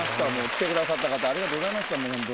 来てくださった方ありがとうございました。